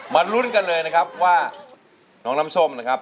ลุ้นกันเลยนะครับว่าน้องน้ำส้มนะครับ